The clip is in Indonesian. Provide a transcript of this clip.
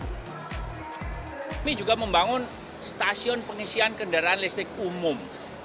kami juga membangun stasiun pengisian kendaraan listrik umum